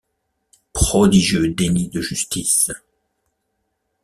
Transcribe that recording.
Prodigieux déni de justice.